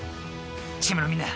［チームのみんな頼むよ］